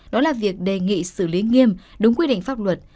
đó là việc đề nghị xử lý nghiêm đúng quy định pháp luật